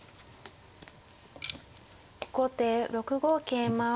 後手６五桂馬。